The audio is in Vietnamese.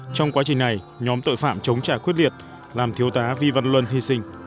trong quá trình này nhóm tội phạm chống trả quyết liệt làm thiếu tá vi văn luân hy sinh